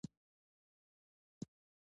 د یو لوی تمدن په توګه.